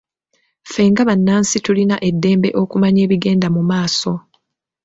Ffe nga bannansi tulina eddembe okumanya ebigenda mu maaso.